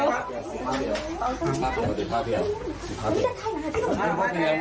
กลับคุณยาย